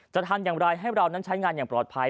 จะทำอย่างไรให้เรานั้นใช้งานอย่างปลอดภัย